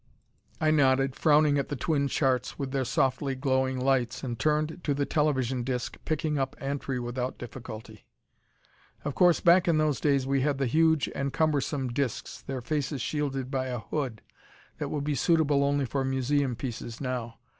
I nodded, frowning at the twin charts, with their softly glowing lights, and turned to the television disc, picking up Antri without difficulty. Of course, back in those days we had the huge and cumbersome discs, their faces shielded by a hood, that would be suitable only for museum pieces now.